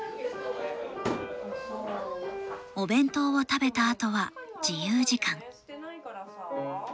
お弁当を食べたあとは自由時間。